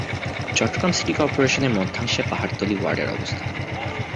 Chittagong city কর্পোরেশনের মধ্যাংশে পাহাড়তলী ওয়ার্ডের অবস্থান।